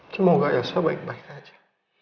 semoga yasa baik baik aja